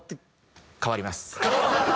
変わります。